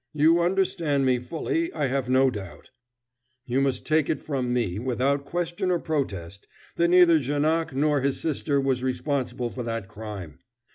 You understand me fully, I have no doubt. You must take it from me, without question or protest, that neither Janoc nor his sister was responsible for that crime.